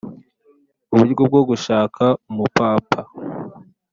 uburyo bwo gushaka umupapa